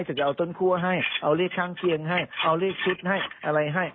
ฉันจะเอาต้นคั่วให้เอาเรียกทางเชียงให้เอาเรียกคิดให้อะไรให้